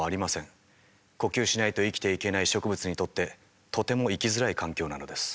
呼吸しないと生きていけない植物にとってとても生きづらい環境なのです。